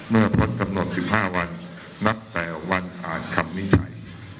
เมื่อพลตำหนดสิบห้าวันนับแต่วันอ่านคำนิจฉัย